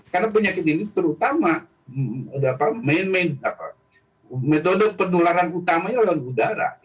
karena penyakit ini terutama metode penularan utamanya adalah udara